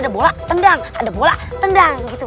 ntar ada bola tendang